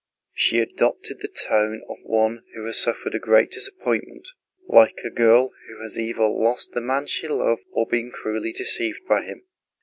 She adopted the tone of one who has suffered a great disappointment, like a girl who has either lost the man she loved or been cruelly deceived by him.